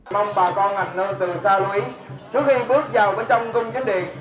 mong bà con ảnh nơi từ xa lũy trước khi bước vào bên trong cung chánh điện